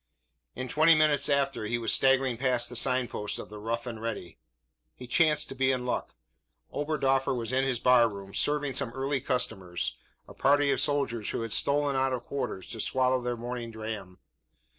In twenty minutes after, he was staggering past the sign post of the "Rough and Ready." He chanced to be in luck. Oberdoffer was in his bar room, serving some early customers a party of soldiers who had stolen out of quarters to swallow their morning dram.